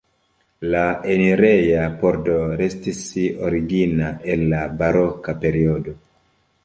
La enireja pordo restis origina el la baroka periodo.